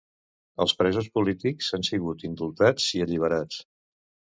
Els presos polítics han sigut indultats i alliberats.